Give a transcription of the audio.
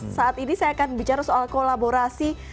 saat ini saya akan bicara soal kolaborasi